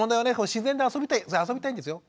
自然であそびたいあそびたいんですよ。